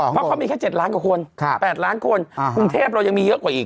เพราะเขามีแค่๗ล้านกว่าคน๘ล้านคนกรุงเทพเรายังมีเยอะกว่าอีก